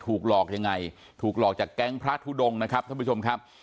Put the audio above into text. ถูกหลอกยังไงถูกหลอกจากแก๊งพระทุดงนะครับท่านผู้ชมครับ